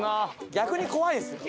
逆に怖いですね。